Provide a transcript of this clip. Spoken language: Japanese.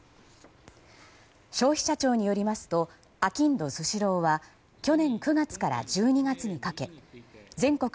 消費者庁によりますとあきんどスシローは去年９月から１２月にかけ全国